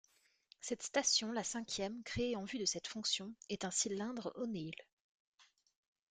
Cette station, la cinquième créée en vue de cette fonction, est un cylindre O'Neill.